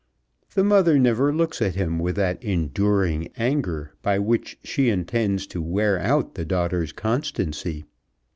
The mother never looks at him with that enduring anger by which she intends to wear out the daughter's constancy.